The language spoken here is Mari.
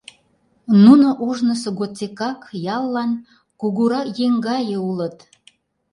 Нуно ожнысо годсекак яллан кугурак еҥ гае улыт.